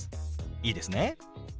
いいですね？